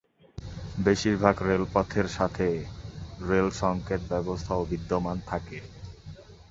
বেশিরভাগ রেলপথের সাথে রেল সংকেত ব্যবস্থাও বিদ্যমান থাকে।